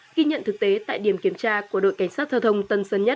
khi nhận thực tế tại điểm kiểm tra của đội cảnh sát thơ thông tân sơn nhất